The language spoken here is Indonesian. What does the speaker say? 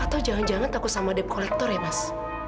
atau jangan jangan takut sama dep kolektor ya bas